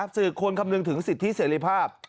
ควรคำนึงถึงสิทธิเสรีภาพ